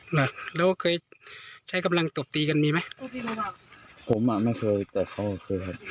น่ะแล้วเคยใช้กำลังตบตีกันมีไหมผมอ่ะไม่เคยแต่เขาเคยครับ